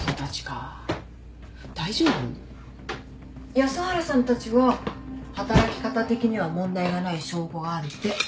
安原さんたちは働き方的には問題がない証拠があるって。